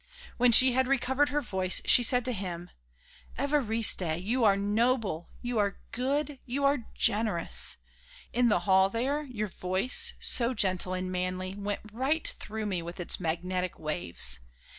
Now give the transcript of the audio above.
When she had recovered her voice, she said to him: "Évariste, you are noble, you are good, you are generous! In the hall there, your voice, so gentle and manly, went right through me with its magnetic waves.